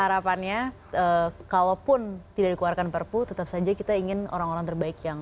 harapannya kalaupun tidak dikeluarkan perpu tetap saja kita ingin orang orang terbaik yang